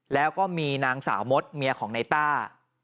แล้วก็มีนางสาวมดเมียของในต้า